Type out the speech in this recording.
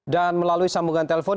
dan melalui sambungan telepon